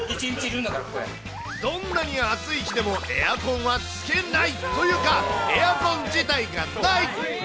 どんなに暑い日でもエアコンはつけないというか、エアコン自体がない。